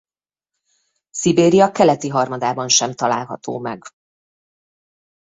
Szibéria keleti harmadában sem található meg.